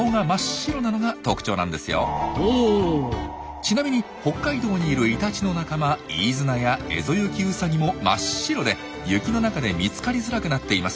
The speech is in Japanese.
ちなみに北海道にいるイタチの仲間イイズナやエゾユキウサギも真っ白で雪の中で見つかりづらくなっています。